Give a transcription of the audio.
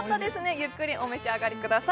ゆっくりお召し上がりください。